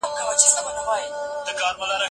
د خپل استاد د مزاج په اړه معلومات ترلاسه کړه.